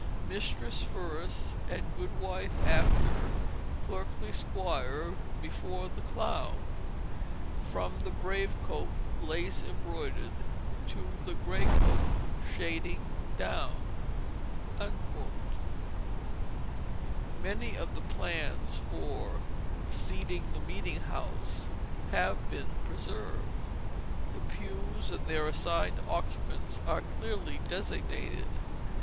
Mistress first and good wife after, clerkly squire before the clown, From the brave coat lace embroidered to the gray coat shading down." Many of the plans for "seating the meeting house" have been preserved; the pews and their assigned occupants are clearly designated.